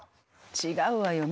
違うわよ。